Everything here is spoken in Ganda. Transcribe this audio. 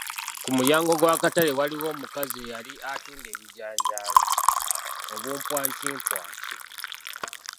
Ku mulyango gw'akatale waaliwo omukazi eyali atuunda abijanjaalo, obumpwankimpwaki.